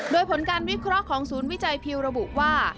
โดยผลการวิเคราะห์ของศูนย์วิจัยพิวระบุว่า